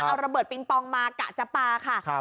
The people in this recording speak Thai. เอาระเบิดปิงปองมากะจะปลาค่ะ